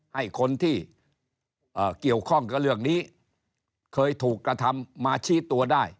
ให้คนที่เกี่ยวข้องกับเรื่องนี้เคยถูกกระทำมาชี้ตัวได้